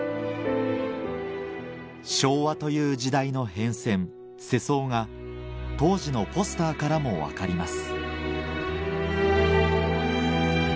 昭和という時代の変遷世相が当時のポスターからも分かります